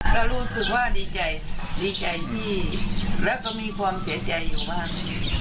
ก็รู้สึกว่าดีใจดีใจที่แล้วก็มีความเสียใจอยู่มาก